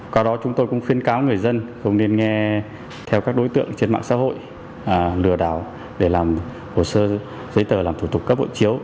qua đó chúng tôi cũng khuyên cáo người dân không nên nghe theo các đối tượng trên mạng xã hội lừa đảo để làm hồ sơ giấy tờ làm thủ tục cấp hộ chiếu